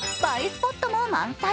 スポットも満載。